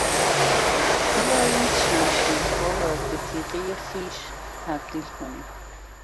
بیایید شمشیرها را به تیغهی خیش تبدیل کنیم.